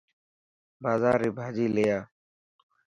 بازار ري ڀاڄي لي آءِ.